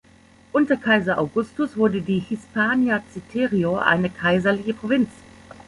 Unter Kaiser Augustus wurde die "Hispania citerior" eine kaiserliche Provinz.